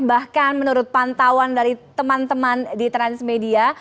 bahkan menurut pantauan dari teman teman di transmedia